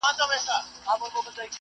په پوهنتونونو کي باید تعصب نه وي.